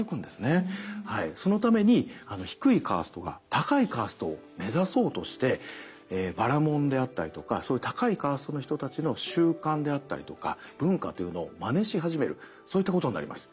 はいそのために低いカーストが高いカーストを目指そうとしてバラモンであったりとかそういう高いカーストの人たちの習慣であったりとか文化というのをまねし始めるそういったことになります。